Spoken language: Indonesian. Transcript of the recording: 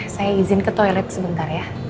saya izin ke toilet sebentar ya